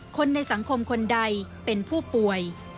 คนในสังคมคนใดเป็นผู้ป่วย